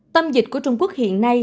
tâm dịch của trung quốc hiện nay